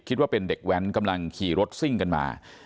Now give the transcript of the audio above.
คิดว่าเป็นเด็กแว้นกำลังขี่รถซิ่งกันมา